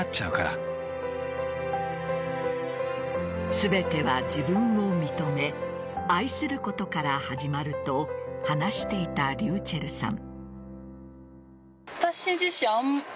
全ては自分を認め愛することから始まると話していたｒｙｕｃｈｅｌｌさん。